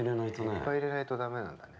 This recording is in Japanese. いっぱい入れないとダメなんだね。